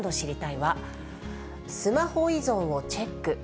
は、スマホ依存をチェック。